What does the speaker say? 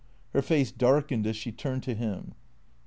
Her face darkened as she turned to him.